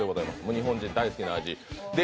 日本人は大好きな味。